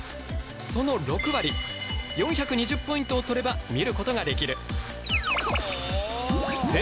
その６割４２０ポイントを取れば見ることができる。